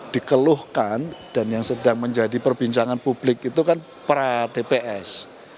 dikeluhkan dan yang sedang menjadi perbincangan publik itu kan pra tps